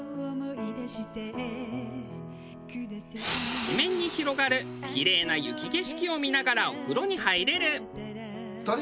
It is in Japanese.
一面に広がるキレイな雪景色を見ながらお風呂に入れる。